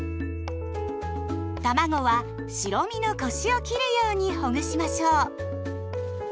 たまごは白身のコシを切るようにほぐしましょう。